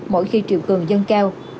mỗi khi triều cường dân cao